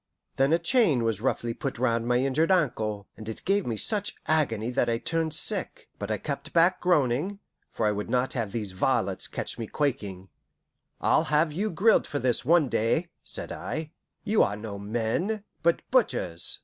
Then a chain was roughly put round my injured ankle, and it gave me such agony that I turned sick, but I kept back groaning, for I would not have these varlets catch me quaking. "I'll have you grilled for this one day," said I. "You are no men, but butchers.